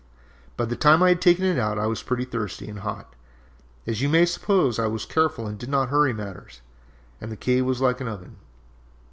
"By the time I had taken it out I was pretty thirsty and hot, as you may suppose. I was careful and did not hurry matters, and the cave was like an oven.